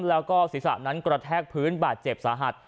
แล้วก็ศีรษะนั้นกระแทกพื้นบาดเจ็บสาหัส